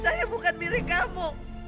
saya bukan milik kamu